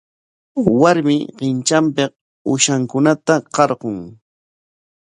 Warmi qintranpik uushankunata qarqun.